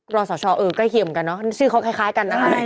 รอสชเออใกล้เคียงเหมือนกันเนอะชื่อเขาคล้ายกันนะคะ